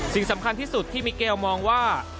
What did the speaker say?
สิ่งสำคัญที่สุดที่มิเกลมองว่า